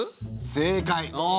正解。